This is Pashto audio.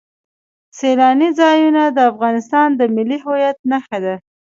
سیلانی ځایونه د افغانستان د ملي هویت نښه ده.